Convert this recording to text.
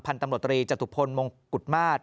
พตรจทุพลมงกุฎมาส